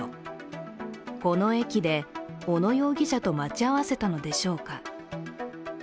この駅で、小野容疑者と待ち合わせたのでしょうか。